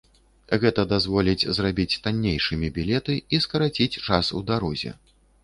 Гэта дазволіць зрабіць таннейшымі білеты і скараціць час у дарозе.